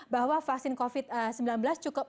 bahwa vaksin covid sembilan belas cukup